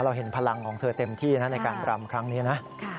เห็นพลังของเธอเต็มที่นะในการรำครั้งนี้นะ